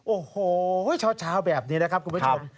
โอ้โหเช้าแบบนี้นะครับคุณผู้ชม